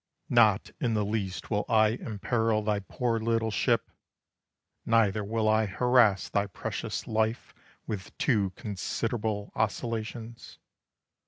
Not in the least will I imperil Thy poor little ship. Neither will I harass thy precious life With too considerable oscillations.